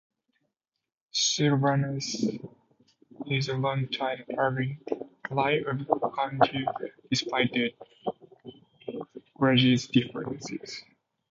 Silvanus is a long-time ally of Chauntea, despite their clergies' differences.